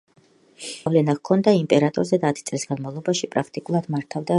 დიდი გავლენა ჰქონდა იმპერატორზე და ათი წლის განმავლობაში პრაქტიკულად მართავდა რუსეთს.